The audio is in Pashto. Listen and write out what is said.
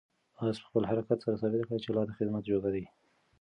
آس په خپل حرکت سره ثابته کړه چې لا د خدمت جوګه دی.